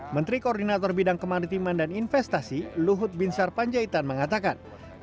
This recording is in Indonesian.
menteri koordinator bidang kemaritiman dan investasi luhut binsar panjaitan mengatakan